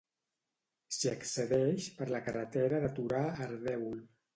S'hi accedeix per la carretera de Torà a Ardèvol.